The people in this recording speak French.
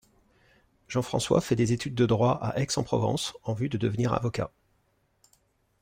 Jean-François fait des études de droit à Aix-en-Provence en vue de devenir avocat.